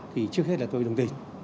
thì trước hết là tôi đồng tình